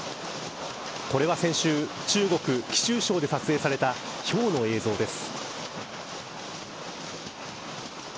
これは先週中国、貴州省で撮影されたひょうの映像です。